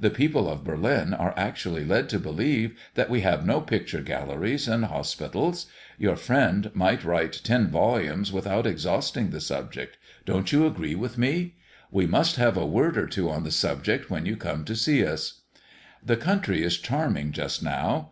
The people of Berlin are actually led to believe that we have no picture galleries and hospitals! Your friend might write ten volumes without exhausting the subject. Don't you agree with me? We must have a word or two on the subject when you come to see us. The country is charming just now.